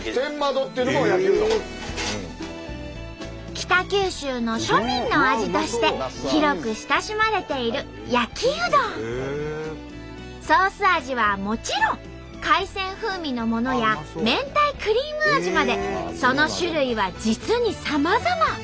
北九州の庶民の味として広く親しまれているソース味はもちろん海鮮風味のものや明太クリーム味までその種類は実にさまざま。